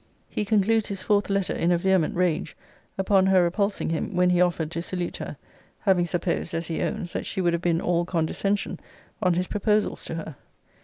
[He concludes his fourth letter in a vehement rage, upon her repulsing him, when he offered to salute her; having supposed, as he owns, that she would have been all condescension on his proposals to her.